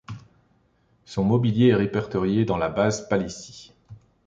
Son mobilier est répertorié dans la base Palissy.